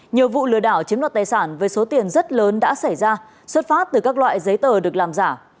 nhiều vụ lừa đảo chiếm đoạt tài sản với số tiền rất lớn đã xảy ra xuất phát từ các loại giấy tờ được làm giả